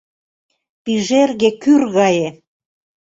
Пижерге — кӱр гае